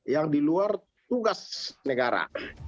yang di luar tugas negara